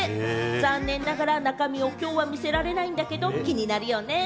残念ながら中身はきょうは見せられないんだけれども、気になるよね。